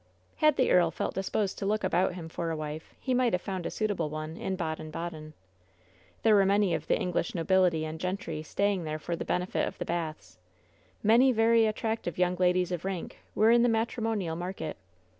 Had the earl felt disposed to look about him for a 22 WHEN SHADOWS DIE wife, he might have found a suitable one in Baden Baden. There were many of the English nobility and gentry staying there for the benefit of the baths. Many very attractive young ladies of rank were in the matrimonial market.